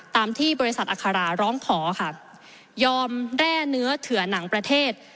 ตามที่บริษัทอัคราร้องขอค่ะยอมแร่เนื้อเถื่อหนังประเทศ